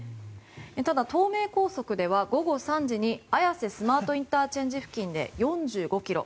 ただ、東名高速では午後３時に綾瀬スマートＩＣ付近で４５ｋｍ。